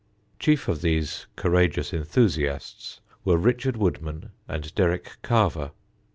Chief of these courageous enthusiasts were Richard Woodman and Derrick Carver.